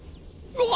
うわ！